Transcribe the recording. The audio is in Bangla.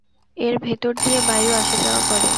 এর ভেতর দিয়ে বায়ু আসা-যাওয়া করে।